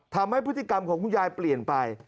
ทำให้พฤติกรรมของคุณยายเปลี่ยนไป